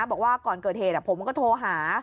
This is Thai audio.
บอกว่าก่อนเกิดเหตุผมก็โทรหา